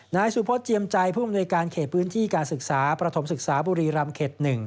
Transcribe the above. นายสุพศเจียมใจผู้อำนวยการเขตพื้นที่การศึกษาประถมศึกษาบุรีรำเขต๑